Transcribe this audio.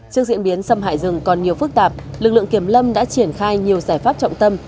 trước diễn biến xâm hại rừng còn nhiều phức tạp lực lượng kiểm lâm đã triển khai nhiều giải pháp trọng tâm